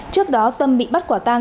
trước đó tâm bị bắt quả tang